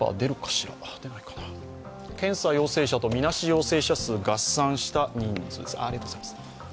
検査陽性者とみなし陽性者数合算した人数です。